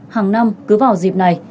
hàng năm cứ vào dịp này